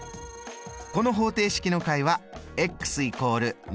この方程式の解は＝２０。